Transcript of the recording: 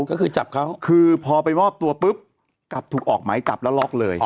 ก็คือจับเขาคือพอไปมอบตัวปุ๊บกลับถูกออกหมายจับแล้วล็อกเลย